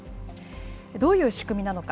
どういう仕組みなのか。